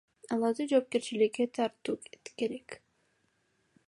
Аларды жоопкерчиликке тартуу керек.